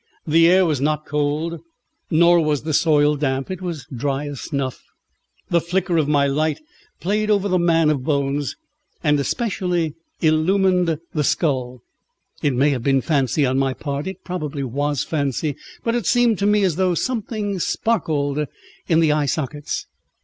The air was not cold, nor was the soil damp; it was dry as snuff. The flicker of my light played over the man of bones, and especially illumined the skull. It may have been fancy on my part, it probably was fancy, but it seemed to me as though something sparkled in the eye sockets.